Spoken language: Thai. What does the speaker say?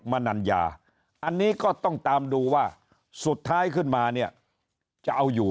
มนัญญาอันนี้ก็ต้องตามดูว่าสุดท้ายขึ้นมาเนี่ยจะเอาอยู่